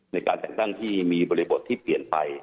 ในการแต่งตั้งที่มีบริบทที่เปลี่ยนไป